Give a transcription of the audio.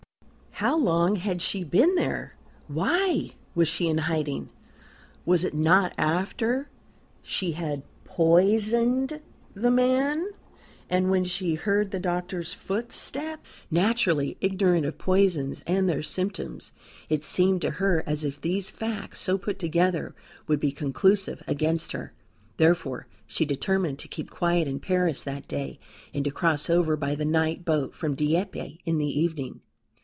How long had she been there? Why was she in hiding? Was it not after she had poisoned the man and when she heard the doctor's footstep? Naturally ignorant of poisons and their symptoms, it seemed to her as if these facts so put together would be conclusive against her. Therefore, she determined to keep quiet in Paris that day and to cross over by the night boat from Dieppe in the evening.